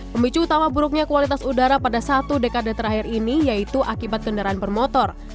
pemicu utama buruknya kualitas udara pada satu dekade terakhir ini yaitu akibat kendaraan bermotor